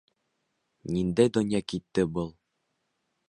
Ниндәй донъя китте был?